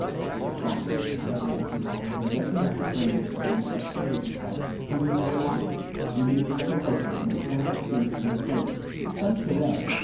The shock of this discovery had befallen him just when Dr. Birney had begun to extricate himself from his whole past; when he had begun to hope that it might somehow begin to be effaced, sponged away.